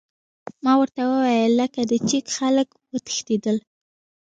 ما ورته وویل: لکه د چیک خلک، چې وتښتېدل.